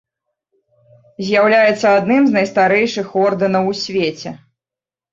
З'яўляецца адным з найстарэйшых ордэнаў у свеце.